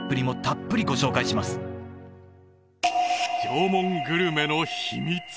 縄文グルメの秘密